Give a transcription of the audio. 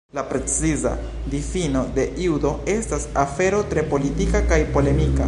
La preciza difino de "Judo" estas afero tre politika kaj polemika.